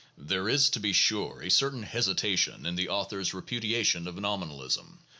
4 There is, to be sure, a certain hesitation in the author's repudiation of nominalism (e.